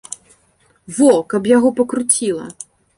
Во, каб яго пакруціла.